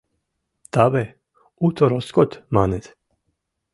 Таве уто роскот, маныт.